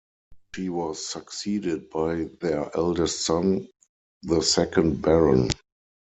She was succeeded by their eldest son, the second Baron.